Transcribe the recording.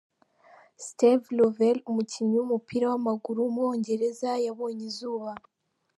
Steve Lovell, umukinnyi w’umupira w’amaguru w’umwongereza yabonye izuba.